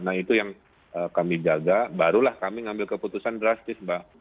nah itu yang kami jaga barulah kami ngambil keputusan drastis mbak